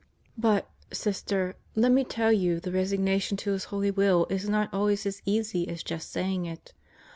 But, Sister, let me tell you the resignation to His holy will is not always as easy as just saying it.